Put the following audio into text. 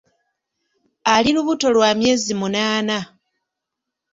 Ali lubuto lwa myezi munaana.